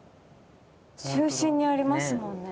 中心にありますもんね。